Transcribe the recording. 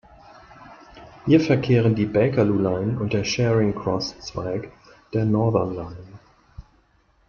Hier verkehren die Bakerloo Line und der Charing Cross-Zweig der Northern Line.